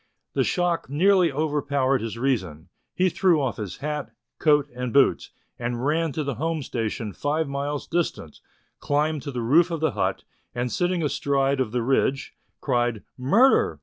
The shock nearly overpowered his reason ; he threw off his hat, coat, and boots, and ran to the home station five miles distant, climbed to the roof of the hut, and sitting astride of the ridge, cried " Murder